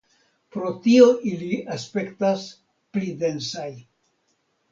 Pro tio ili aspektas "pli densaj".